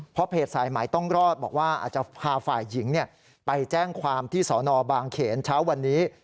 เพราะเพจสายหมายต้องรอดบอกว่าอาจจะพาฝ่ายหญิงไปแจ้งความที่สอนอบางเขนเช้าวันนี้